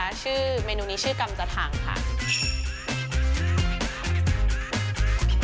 เอาล่ะเดินทางมาถึงในช่วงไฮไลท์ของตลอดกินในวันนี้แล้วนะครับ